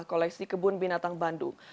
koleksi kebun binatang bandung